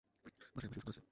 বাসায় আমার শিশু সন্তান আছে!